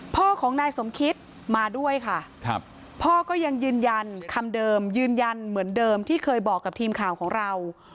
พ่อของนายสมคิตมาด้วยค่ะพ่อก็ยังยืนยันคำเดิมยืนยันเหมือนเดิมที่เคยบอกกับทีมข่าวของเรา